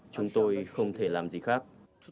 chúng tôi không thể làm gì khác